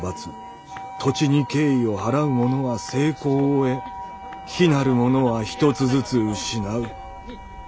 土地に敬意を払う者は成功を『得』否なる者はひとつずつ『失う』」。